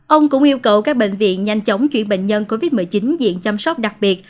ông cũng yêu cầu các bệnh viện nhanh chóng chuyển bệnh nhân covid một mươi chín diện chăm sóc đặc biệt